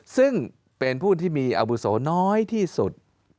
ซึ่งเป็นผู้ที่มีอาวุโสน้อยที่สุด